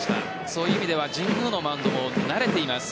そういう意味では神宮のマウンドには慣れています。